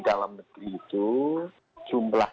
dalam negeri itu jumlah